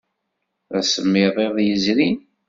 D asemmiḍ iḍ yezrin.